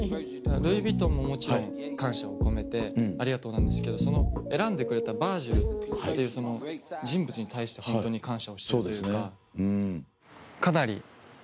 ルイ・ヴィトンももちろん感謝を込めて「ありがとう」なんですけど選んでくれたヴァージルっていう人物に対してホントに感謝をしてるというか。